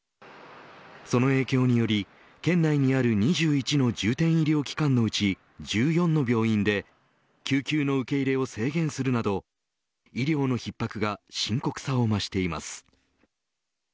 その影響により県内にある２１の重点医療機関のうち１４の病院で救急の受け入れを制限するなど医療の逼迫が深刻さを増しています。